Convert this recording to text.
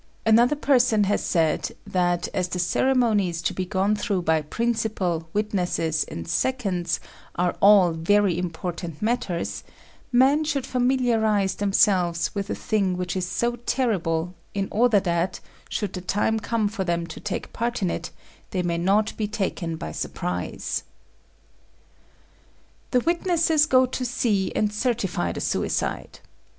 Another person has said that, as the ceremonies to be gone through by principal, witnesses, and seconds are all very important matters, men should familiarize themselves with a thing which is so terrible, in order that, should the time come for them to take part in it, they may not be taken by surprise. The witnesses go to see and certify the suicide.